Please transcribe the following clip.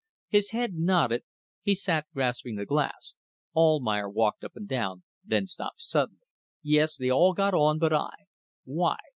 His head nodded. He sat grasping the glass. Almayer walked up and down, then stopped suddenly. "Yes, they all got on but I. Why?